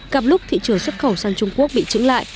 cặp lúc thị trường xuất khẩu sang trung quốc bị trứng lại